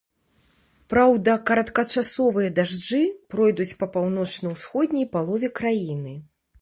Праўда, кароткачасовыя дажджы пройдуць па паўночна-ўсходняй палове краіны.